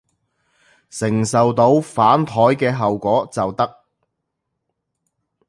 承受到反枱嘅後果就得